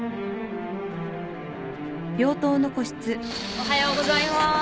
おはようございます。